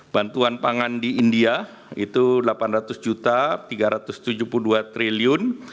bantuan pangan di india itu rp delapan ratus tiga ratus tujuh puluh dua triliun